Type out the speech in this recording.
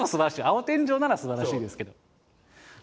青天井なのはすばらしいですけど。